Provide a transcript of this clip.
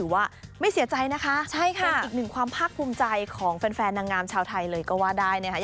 ว่าไม่เสียใจนะคะใช่ค่ะเป็นอีกหนึ่งความภาคภูมิใจของแฟนนางงามชาวไทยเลยก็ว่าได้นะคะ